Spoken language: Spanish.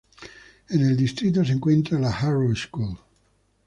En el distrito se encuentra la Harrow School.